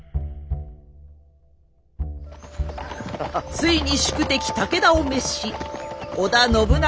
ついに宿敵武田を滅し織田信長